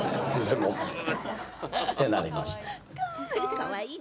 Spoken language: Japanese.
かわいい！